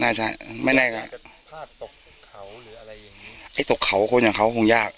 น่าใช่ไม่แน่ค่ะหรืออะไรอย่างงี้ไอ้ตกเขาคนอย่างเขาคงยาก